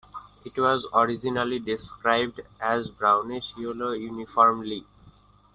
It was originally described as brownish yellow uniformly.